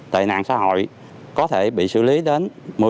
tệ nạn xã hội có thể bị xử lý đến một mươi năm tù